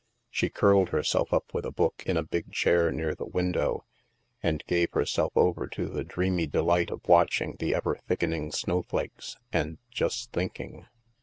She curled herself up with a book, in a big chair near the window, and gave hersdf over to the dreamy delight of watching the ever thickening snowflakes, and just thinking.